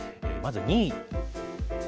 まず２位。